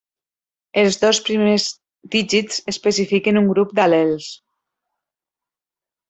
Els dos primers dígits especifiquen un grup d'al·lels.